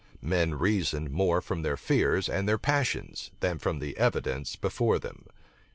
Men reasoned more from their fears and their passions, than from the evidence before them.